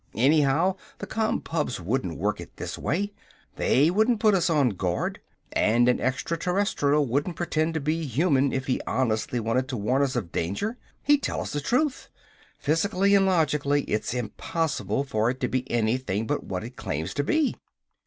Anyhow, the Compubs wouldn't work it this way! They wouldn't put us on guard! And an extra terrestrial wouldn't pretend to be a human if he honestly wanted to warn us of danger! He'd tell us the truth! Physically and logically it's impossible for it to be anything but what it claims to be!"